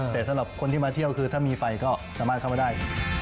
แต่สำหรับคนที่มาเที่ยวคือถ้ามีไฟก็สามารถเข้ามาได้